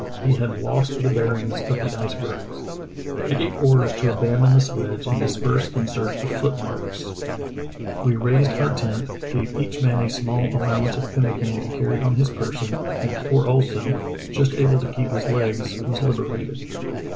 He had lost the bearings of the icebergs. I gave orders to abandon the sledge and disperse in search of foot marks. We Kane's Rescue of His Shipmates loi raised our tent, gave each man a small allowance of pemmican to carry on his person, and poor Ohlsen, just able to keep his legs, was liberated.